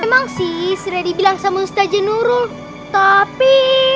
emang sih siredi bilang sama ustazah nurul tapi